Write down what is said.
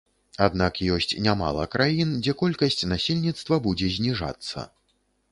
Аднак ёсць нямала краін, дзе колькасць насельніцтва будзе зніжацца.